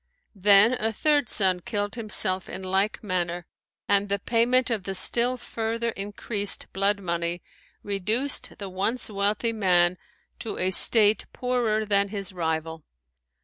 Then a third son killed himself in like manner and the payment of the still further increased blood money reduced the once wealthy man to a state poorer than his rival.